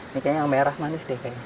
ini kayaknya merah manis deh